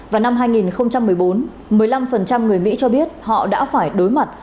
vào năm hai nghìn một mươi bốn một mươi năm người mỹ cho biết họ đã phải đối mặt